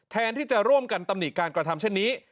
แทนที่จะร่วมกันตำหนิการกระทำเช่นนี้